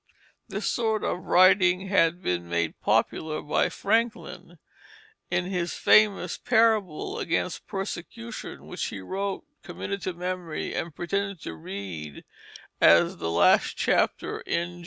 This sort of writing had been made popular by Franklin in his famous Parable against Persecution which he wrote, committed to memory, and pretended to read as the last chapter in Genesis.